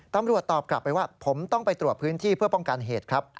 ตอบกลับไปว่าผมต้องไปตรวจพื้นที่เพื่อป้องกันเหตุครับ